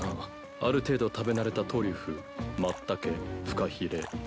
ある程度食べ慣れたトリュフマッタケフカヒレツバメの巣